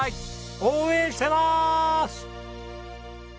応援してまーす！